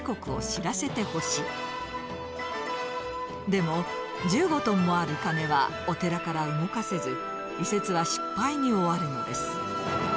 でも１５トンもある鐘はお寺から動かせず移設は失敗に終わるのです。